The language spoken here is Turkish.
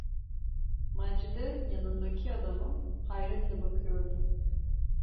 Macide yanındaki adama hayretle bakıyordu.